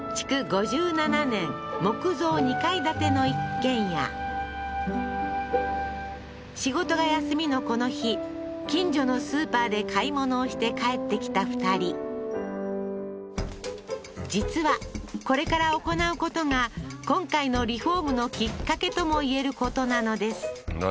５７年木造２階建ての一軒家仕事が休みのこの日近所のスーパーで買い物をして帰ってきた２人実はこれから行うことが今回のリフォームのきっかけともいえることなのです何？